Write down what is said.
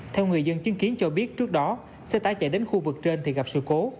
theo người dân chứng kiến cho biết trước đó xe tải chạy đến khu vực trên thì gặp sự cố